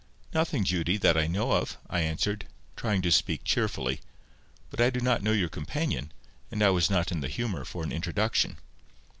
"Nothing, Judy, that I know of," I answered, trying to speak cheerfully. "But I do not know your companion, and I was not in the humour for an introduction."